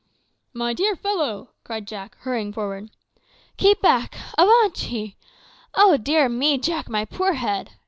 "My dear fellow!" cried Jack, hurrying forward. "Keep back! avaunt ye. Oh dear me, Jack, my poor head!"